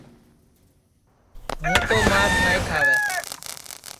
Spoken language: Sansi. ہُوں تو مانٚس نائیں کھاوے